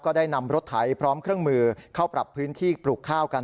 ได้นำรถไถพร้อมเครื่องมือเข้าปรับพื้นที่ปลูกข้าวกัน